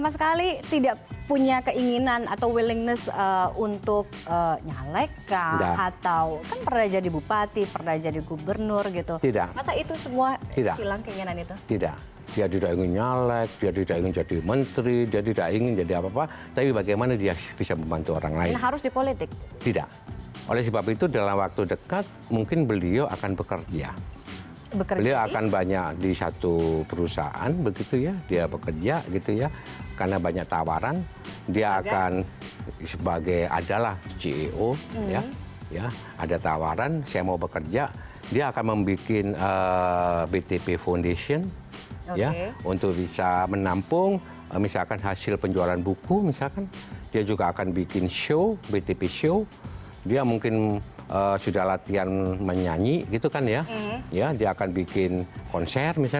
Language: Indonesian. sama sekali tidak punya keinginan atau willingness untuk nyalek kah